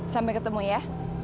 sampai ketemu ya